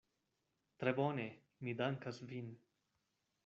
Tre bone, mi dankas vin.